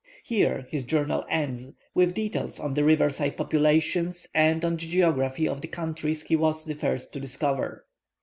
Here his journal ends, with details on the riverside populations, and on the geography of the countries he was the first to discover.